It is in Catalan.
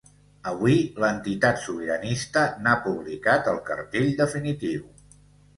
Avui, l’entitat sobiranista n’ha publicat el cartell definitiu.